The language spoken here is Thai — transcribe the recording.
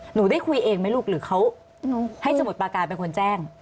หนูได้คุยเองไหมลูกหรือเขาให้สมุทรปาการเป็นคนแจ้ง